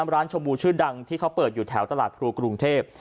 ชมบูชื่อดังที่เขาเปิดอยู่แถวตลาดครูกรุงเทพ